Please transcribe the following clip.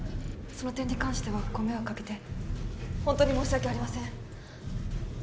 その点に関してはご迷惑かけて本当に申し訳ありません